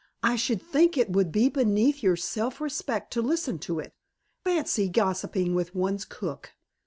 "I should think it would be beneath your self respect to listen to it. Fancy gossiping with one's cook."